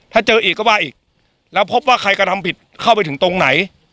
ถ้าเจออีกก็ว่าอีกแล้วพบว่าใครกระทำผิดเข้าไปถึงตรงไหน